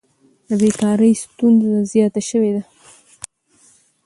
د بیکارۍ ستونزه زیاته شوې ده.